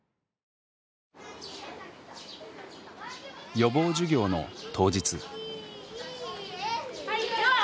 予防授業の当日。